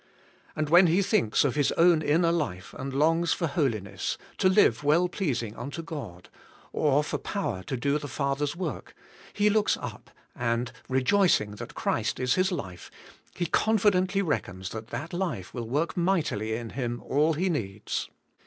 And when he thinks of his own inner life, and longs for holiness,, to live well pleasing unto God, or for power to do the Father's work, he looks up, and, rejoicing that Christ is his life, he con fidently reckons that that life will work mightily in him all he needs.